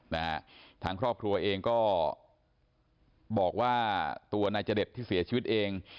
นะฮะทางครอบครัวเองก็บอกว่าตัวนายจเดชที่เสียชีวิตเอง